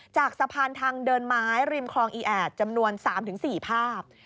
จากสะพานทางเดินไม้ริมคลองอีแอดจำนวน๓๔ภาพ